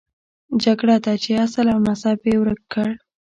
جګړه ده چې اصل او نسب یې ورک کړ.